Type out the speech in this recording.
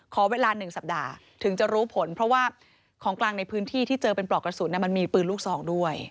ขอเวลา๑สัปดาห์ถึงจะรู้ผลเพราะว่าของกลางในพื้นที่ที่เจอเป็นปลอกกระสุนมันมีปืนลูกซองด้วย